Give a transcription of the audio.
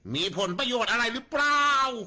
มีผลประโยชน์อะไรหรือเปล่า